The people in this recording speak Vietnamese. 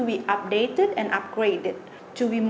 để làm sao để có vấn đề như thế